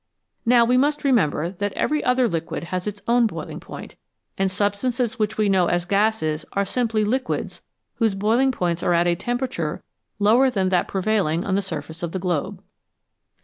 Now we must remember that every other liquid has its own boiling point, and substances which we know as gases are simply liquids whose boiling points are at a tempera ture lower than that prevailing on the surface of the globe.